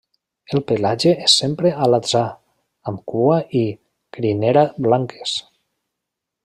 El pelatge és sempre alatzà amb cua i crinera blanques.